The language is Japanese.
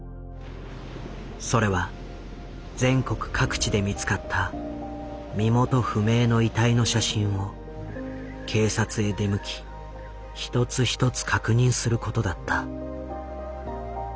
それは全国各地で見つかった身元不明の遺体の写真を警察へ出向き一つ一つ確認することだった。